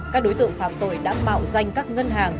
các đối tượng phạm tội đã mạo danh các ngân hàng